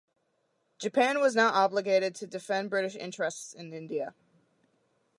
Japan was not obligated to defend British interests in India.